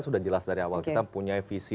sudah jelas dari awal kita punya visi